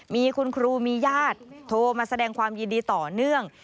มีคุณครูมีญาติโทรมาแสดงความยินดีต่อเนื่อง